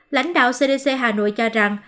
lãnh đạo cdc hà nội cho rằng